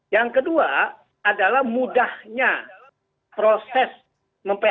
yang kedua adalah mudahnya proses mem phk